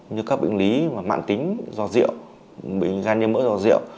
như các bệnh lý mạng tính do rượu bệnh gan như mỡ do rượu